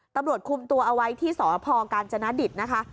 ตำรวจคุมตัวเอาไว้ที่สพกาญจนดิตนะคะ